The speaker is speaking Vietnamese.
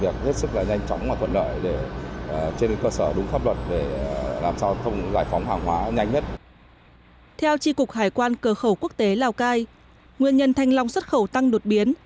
theo tri cục hải quan cửa khẩu quốc tế lào cai nguyên nhân thanh long xuất khẩu tăng đột biến